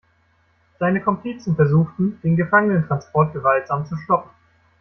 Seine Komplizen versuchten, den Gefangenentransport gewaltsam zu stoppen.